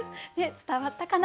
伝わったかな？